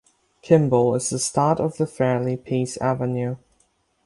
Kimbell is the start of the Fairlie Peace Avenue.